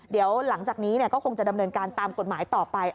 เดี๋ยวหลังจากนี้ก็คงจะดำเนินการตามกฎหมายต่อไป